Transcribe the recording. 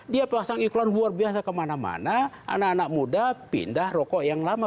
dia pasang iklan luar biasa kemana mana anak anak muda pindah rokok yang lama